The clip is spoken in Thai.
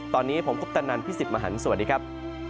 ตอนนี้ผมคุปตะนันพี่สิทธิ์มหันฯสวัสดีครับ